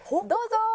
どうぞ！